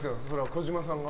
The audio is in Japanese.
児嶋さんが？